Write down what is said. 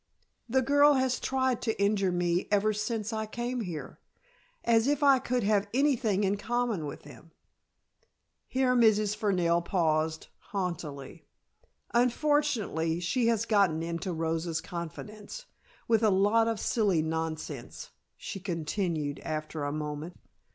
The girl has tried to injure me ever since I came here. As if I could have anything in common with them." Here Mrs. Fernell paused, haughtily. "Unfortunately she has gotten into Rosa's confidence, with a lot of silly nonsense," she continued after a moment.